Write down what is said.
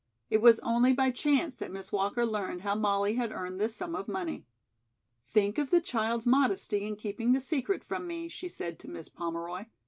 It was only by chance that Miss Walker learned how Molly had earned this sum of money. "Think of the child's modesty in keeping the secret from me," she said to Miss Pomeroy.